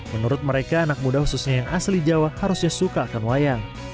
menurut mereka anak muda khususnya yang asli jawa harusnya suka akan wayang